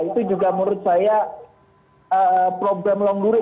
itu juga menurut saya problem longgure